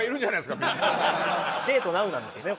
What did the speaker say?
デートなうなんですね。